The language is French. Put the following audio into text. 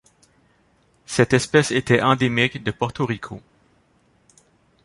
Cette espèce était endémique de Porto Rico.